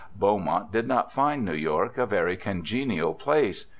Beaumont did not find New York a very congenial place.